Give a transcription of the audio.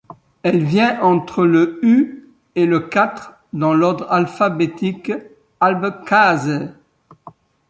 Elle vient entre le Ц et le Ч dans l’ordre alphabétique abkhaze.